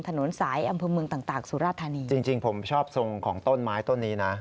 ถนนสายอำเภอเมืองต่างต่างสุราธานีจริงจริงผมชอบทรงของต้นไม้ต้นนี้นะ